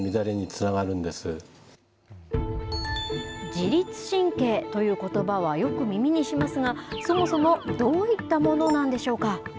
自律神経ということばは、よく耳にしますが、そもそもどういったものなんでしょうか。